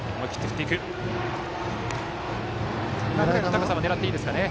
今の球は狙っていいですかね？